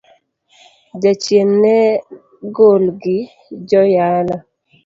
Jachien no gol gi joyalo.